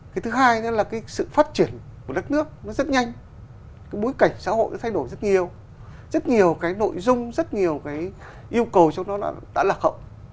cái thứ hai nữa là cái sự phát triển của đất nước nó rất nhanh cái bối cảnh xã hội nó thay đổi rất nhiều rất nhiều cái nội dung rất nhiều cái yêu cầu trong đó đã lạc hậu